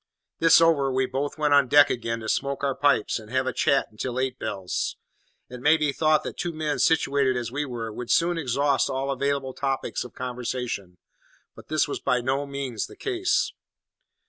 This over, we both went on deck again to smoke our pipes, and have a chat until eight bells. It may be thought that two men situated as we were would soon exhaust all available topics of conversation; but this was by no means the case.